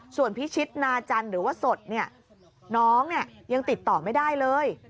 ส่วนพี่ชิดนาจันหรือว่าสดน้องยังติดต่อไม่ได้เลย